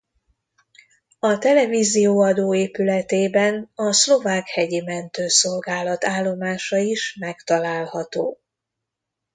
A televízió-adó épületében a Szlovák Hegyi Mentőszolgálat állomása is megtalálható.